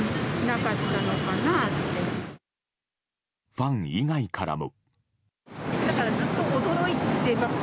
ファン以外からも。